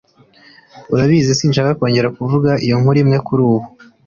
Urabizi, sinshaka kongera kuvuga iyo nkuru imwe kurubu.